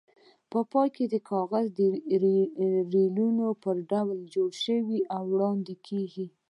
په پای کې کاغذ د ریلونو په ډول جوړ او وړاندې کېږي.